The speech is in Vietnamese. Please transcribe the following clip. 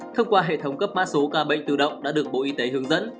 thông qua hệ thống cấp mã số ca bệnh tự động đã được bộ y tế hướng dẫn